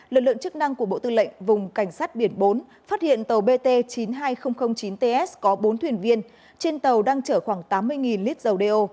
lực lượng chức năng của bộ tư lệnh vùng cảnh sát biển bốn phát hiện tàu bt chín mươi hai nghìn chín ts có bốn thuyền viên trên tàu đang chở khoảng tám mươi lít dầu đeo